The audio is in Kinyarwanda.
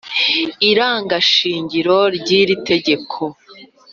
irangashingiro ry iri tegeko